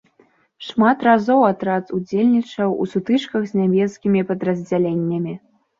Шмат разоў атрад удзельнічаў у сутычках з нямецкімі падраздзяленнямі.